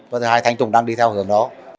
và thứ hai thanh tùng đang đi theo hướng đó